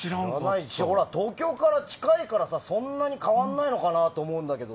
東京から近いからそんなに変わらないのかなと思うんだけど。